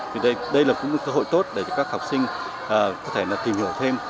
vì đây là cũng một cơ hội tốt để cho các học sinh có thể tìm hiểu thêm